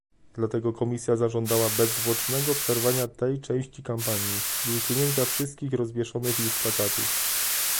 Dlatego Komisja zażądała bezzwłocznego przerwania tej części kampanii i usunięcia wszystkich rozwieszonych już plakatów